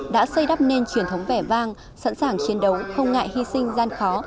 đã xây đắp nên truyền thống vẻ vang sẵn sàng chiến đấu không ngại hy sinh gian khó